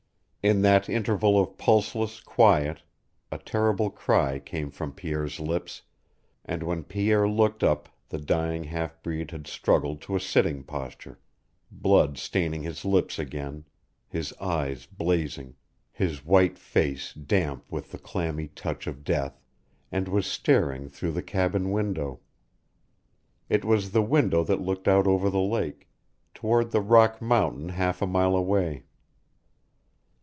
In that interval of pulseless quiet a terrible cry came from Pierre's lips, and when Philip looked up the dying half breed had struggled to a sitting posture, blood staining his lips again, his eyes blazing, his white face damp with the clammy touch of death, and was staring through the cabin window. It was the window that looked out over the lake, toward the rock mountain half a mile away.